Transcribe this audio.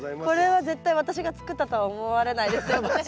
これは絶対私が作ったとは思われないですよね。